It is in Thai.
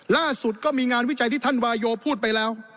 ล่าสุดก็มีงานวิจัยที่ท่านวายโยพูดไปแล้ว